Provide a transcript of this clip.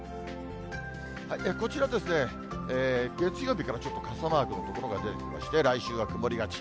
こちらですね、月曜日からちょっと傘マークの所が出てきまして、来週は曇りがち。